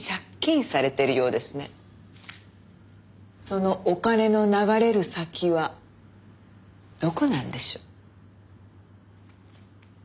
そのお金の流れる先はどこなんでしょう？